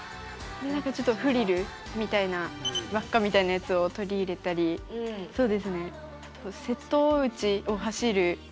ちょっとフリルみたいな輪っかみたいなやつを取り入れたりそうですね。